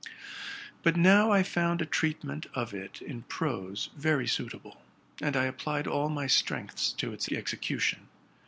But now I found a treatment of it in prose very suitable, and I applied all my strength to its execution.